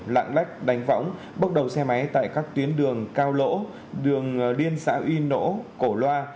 lạng lách đánh võng bốc đầu xe máy tại các tuyến đường cao lỗ đường liên xã uy nỗ cổ loa